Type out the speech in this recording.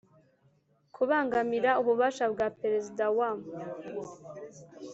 Kubangamira ububasha bwa Perezida wa